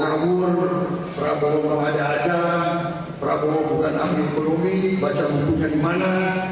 tahun saya di ece dibilang prabowo ngawur prabowo mau ada ada prabowo bukan amir berumih baca buku dari mana